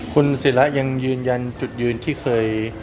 คุณศิระยังยืนยันจุดยืนที่เคย